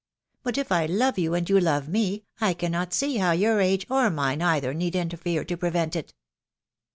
But if I love you and you love me, I cannot see how your age or mine either need interfere to prevent it."